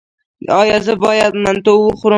ایا زه باید منتو وخورم؟